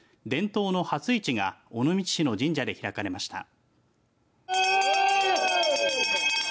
伝統の初市が尾道市の神社で開かれました。